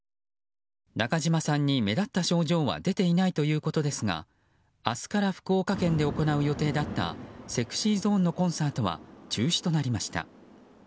中島さんに目立った症状は出ていないということですが明日から福岡県で行う予定だったＳｅｘｙＺｏｎｅのコンサートは中止となりました。